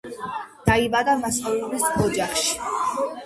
დაიბადა მასწავლებლის ოჯახში.